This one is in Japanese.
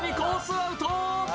アウト。